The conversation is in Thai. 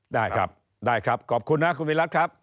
ได้ครับได้ครับขอบคุณนะคุณวิรัติครับ